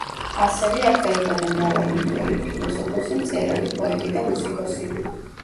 ასევე, აქ დაიბადა მრავალი ინდოელი ფილოსოფოსი, მწერალი, პოეტი და მუსიკოსი.